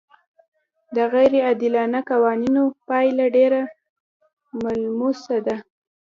د غیر عادلانه قوانینو پایله ډېره ملموسه ده.